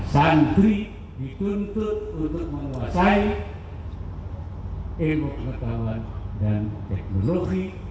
santri dituntut untuk menguasai emosional dan teknologi